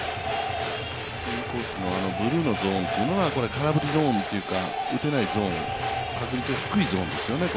インコースのブルーのゾーンが、空振りゾーン打てないゾーン、確率が低いゾーンですよね。